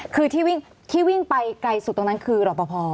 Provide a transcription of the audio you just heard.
คือที่วิ่งไปไกลสุดตรงนั้นคือรอปภ